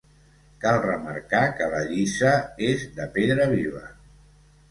Cal remarcar que la lliça és de pedra viva.